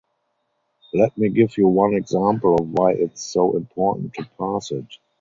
Let me give you one example of why it’s so important to pass it.